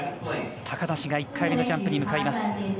高梨が１回目のジャンプに向かいます。